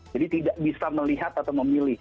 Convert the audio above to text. jadi tidak bisa melihat atau memilih